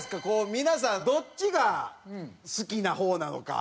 皆さんどっちが好きな方なのか。